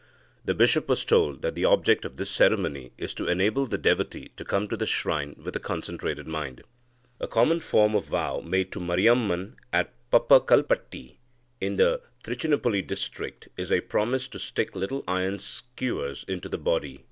The Bishop was told that the object of this ceremony is to enable the devotee to come to the shrine with a concentrated mind. A common form of vow made to Mariamman at Pappakkalpatti in the Trichinopoly district is a promise to stick little iron skewers into the body.